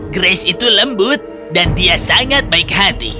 grace itu lembut dan dia sangat baik hati